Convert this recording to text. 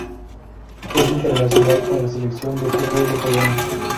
Es internacional con la selección de fútbol de Polonia.